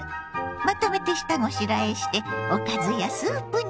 まとめて下ごしらえしておかずやスープに。